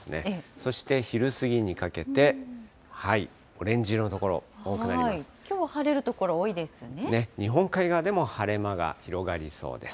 そして昼過ぎにかけて、オレンジきょうは晴れる所、多いです日本海側でも晴れ間が広がりそうです。